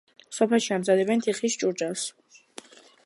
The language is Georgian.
სოფელში ამზადებდნენ თიხის ჭურჭელს.